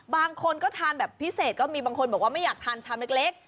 บางคนก็ทานแบบพิเศษก็มีบางคนบอกว่าไม่อยากทานชามเล็ก